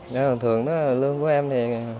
thường thường lương của em thì